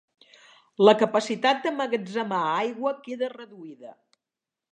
La capacitat d'emmagatzemar aigua queda reduïda.